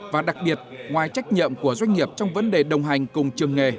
và đặc biệt ngoài trách nhiệm của doanh nghiệp trong vấn đề đồng hành cùng trường nghề